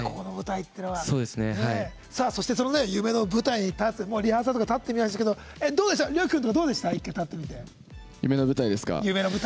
そして、夢の舞台に立つリハーサルとか立ってみましたけどＲＹＯＫＩ君とかどうですか？